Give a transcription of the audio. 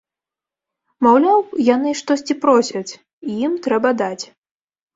Маўляў, яны штосьці просяць, і ім трэба даць.